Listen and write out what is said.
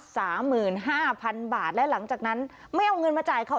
สามหมื่นห้าพันบาทและหลังจากนั้นไม่เอาเงินมาจ่ายเขา